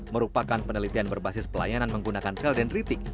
merupakan penelitian berbasis pelayanan menggunakan sel dendritik